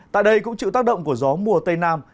tại đây cũng chịu tác động của gió mùa tây nam